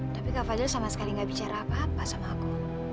tapi kak fajar sama sekali gak bicara apa apa sama aku